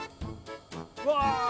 うわ！